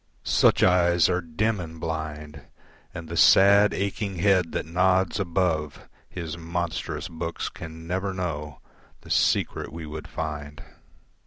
Such eyes are dim and blind, And the sad, aching head that nods above His monstrous books can never know The secret we would find.